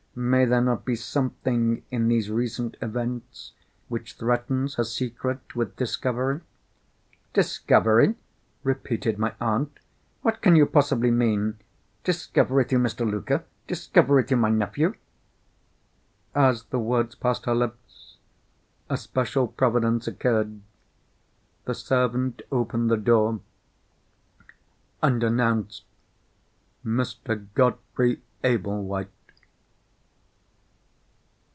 May there not be something in these recent events which threatens her secret with discovery?" "Discovery?" repeated my aunt. "What can you possibly mean? Discovery through Mr. Luker? Discovery through my nephew?" As the word passed her lips, a special providence occurred. The servant opened the door, and announced Mr. Godfrey Ablewhite.